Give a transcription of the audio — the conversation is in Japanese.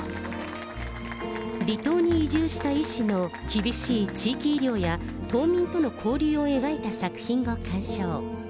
離島に移住した医師の厳しい地域医療や、島民との交流を描いた作品を鑑賞。